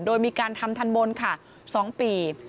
โดยมีการทำทันบนค่ะ๒ปี